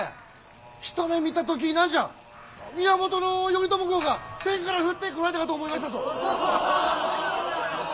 一目見た時何じゃ源頼朝公が天から降ってこられたかと思いましたぞ！